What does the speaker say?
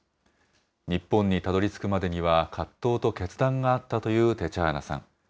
日本にたどりつくまでには、葛藤と決断があったというテチャーナさん。